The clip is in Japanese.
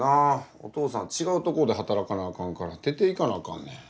お父さんちがうとこではたらかなあかんから出ていかなあかんねん。